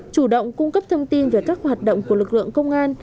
chủ động cung cấp thông tin về các hoạt động của lực lượng công an